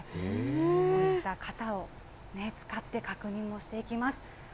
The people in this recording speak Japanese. こういった型を使って、確認をしていきます。